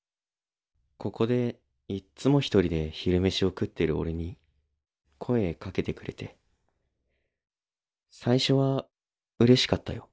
ここでいっつも一人で昼飯を食ってる俺に声かけてくれて最初はうれしかったよ。